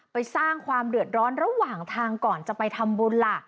ไปสร้างความเดือดร้อนระหว่างทางก่อนจะไปทำบุญล่ะ